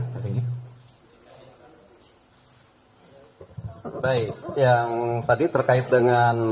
baik yang tadi terkait dengan